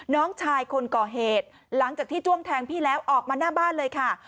น้องชายคนก่อเหตุหลังจากที่จ้วงแทงพี่แล้วออกมาหน้าบ้านเลยค่ะ